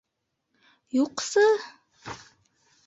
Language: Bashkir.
Юҡсы...